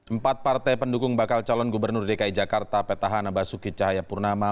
empat partai pendukung bakal calon gubernur dki jakarta petahana basuki cahayapurnama